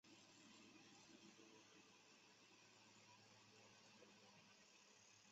四十七年。